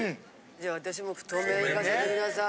じゃあ私も太麺いかせてください。